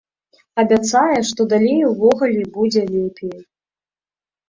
Абяцае, што далей увогуле будзе лепей.